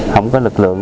không có lực lượng